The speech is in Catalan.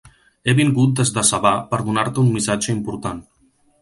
He vingut des de Sabà per donar-te un missatge important.